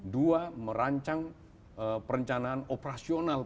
dua merancang perencanaan operasionalnya